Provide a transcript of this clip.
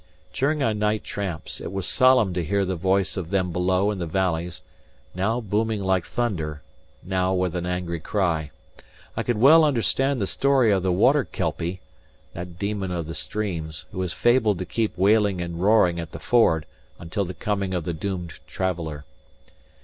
During our night tramps, it was solemn to hear the voice of them below in the valleys, now booming like thunder, now with an angry cry. I could well understand the story of the Water Kelpie, that demon of the streams, who is fabled to keep wailing and roaring at the ford until the coming of the doomed traveller.